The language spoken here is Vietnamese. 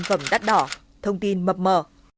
sản phẩm đắt đỏ thông tin mập mờ